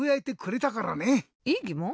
いいぎもん？